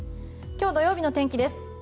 今日、土曜日の天気です。